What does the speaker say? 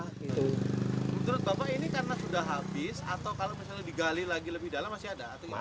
menurut bapak ini karena sudah habis atau kalau misalnya digali lagi lebih dalam masih ada atau gimana